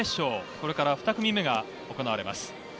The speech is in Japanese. これから２組目が行われます。